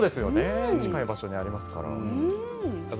近い場所にありますから。